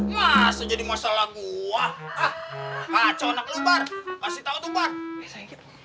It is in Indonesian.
masa jadi masalah gua ah kacau anak lu bar kasih tahu tumpah ya